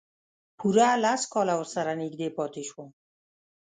پوره لس کاله ورسره نږدې پاتې شوم.